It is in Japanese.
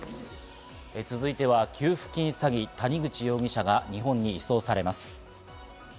続いては給付金詐欺、谷口容疑者が日本に移送されます。